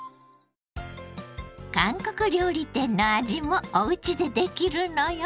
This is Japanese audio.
韓国料理店の味もおうちでできるのよ。